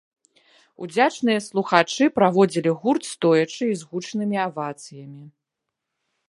Удзячныя слухачы праводзілі гурт стоячы і з гучнымі авацыямі.